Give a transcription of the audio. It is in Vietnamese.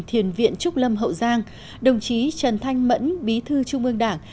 thiền viện trúc lâm hậu giang đồng chí trần thanh mẫn bí thư trung ương đảng